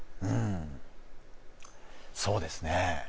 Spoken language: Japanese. うんそうですね